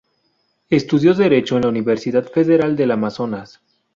Estudió derecho en la Universidad Federal del Amazonas.